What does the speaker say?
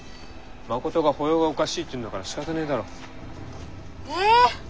誠が歩様がおかしいって言うんだからしかたねえだろう。え。